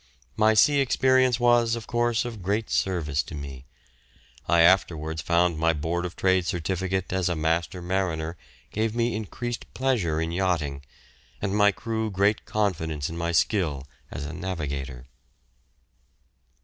My sea experience was, of course, of great service to me. I afterwards found my Board of Trade certificate as a master mariner gave me increased pleasure in yachting, and my crew great confidence in my skill as a navigator.